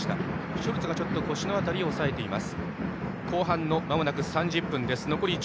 ショルツが腰の辺りを押さえています。